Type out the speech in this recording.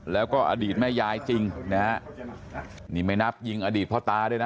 แล้วก็อดีตแม่ยายจริงนะฮะนี่ไม่นับยิงอดีตพ่อตาด้วยนะ